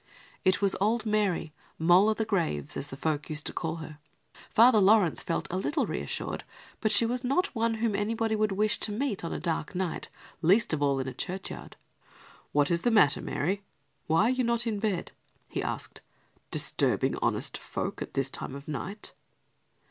It was old Mary, "Moll o' the graves," as the folk used to call her. Father Laurence felt a little reassured, but she was not one whom anybody would wish to meet on a dark night, least of all in a churchyard. "What is the matter, Mary? Why are you not in your bed," he asked; "disturbing honest folk at this time of night?"